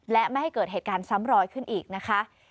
และไม่ให้เกิดเหตุการณ์ซ้ำรอยขึ้นอีกนะคะ